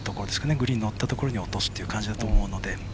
グリーンに乗ったところに落とすというという感じだと思うので。